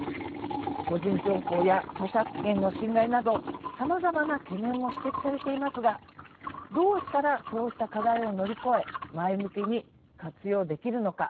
個人情報や著作権の侵害などさまざまな懸念も指摘されていますがどうしたらそうした課題を乗り越え前向きに活用できるのか。